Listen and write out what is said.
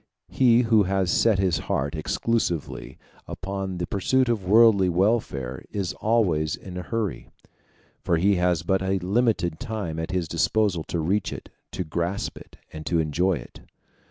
He who has set his heart exclusively upon the pursuit of worldly welfare is always in a hurry, for he has but a limited time at his disposal to reach it, to grasp it, and to enjoy it.